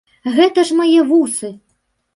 Гэта ж мае вусы!